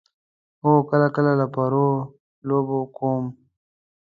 هو، کله کله د پرو لوبه کوم